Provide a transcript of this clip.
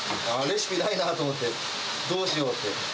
レシピないなと思って、どうしようって。